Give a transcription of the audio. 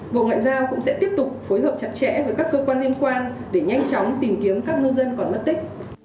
bộ ngoại giao cũng sẽ tiếp tục phối hợp chặt chẽ với các cơ quan liên quan để nhanh chóng tìm kiếm các ngư dân còn mất tích